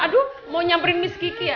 aduh mau nyamperin miss kiki ya